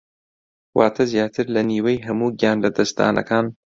واتە زیاتر لە نیوەی هەموو گیانلەدەستدانەکان